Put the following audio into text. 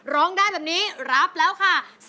ร้องได้แบบนี้รับแล้วค่ะ